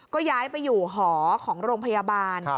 ก็ย้ายไปอยู่หอของโรงพยาบาล